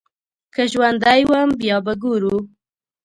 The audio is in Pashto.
که ژوندی وم بيا به ګورو.